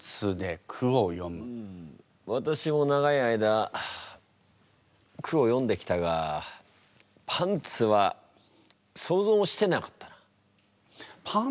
私も長い間句を詠んできたがパンツは想像もしてなかったな。